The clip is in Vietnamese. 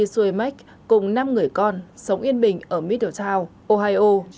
sui mac cùng năm người con sống yên bình ở middletown ohio